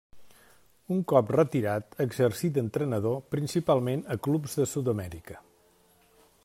Un cop retirat exercí d'entrenador, principalment a clubs de Sud-amèrica.